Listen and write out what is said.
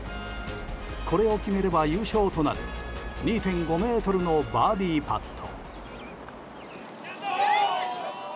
これを決めれば優勝となる２．５ｍのバーディーパット。